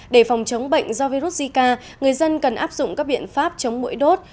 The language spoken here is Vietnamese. để phòng chống bệnh do virus zika người dân cần áp dụng các biện pháp chống mũi đốt